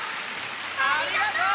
ありがとう！